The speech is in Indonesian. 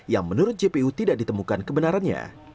yang menurut jpu tidak ditemukan kebenarannya